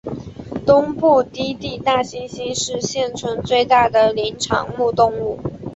东部低地大猩猩是现存最大的灵长目动物。